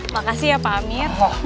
makasih ya pak amir